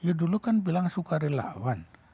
ya dulu kan bilang sukarelawan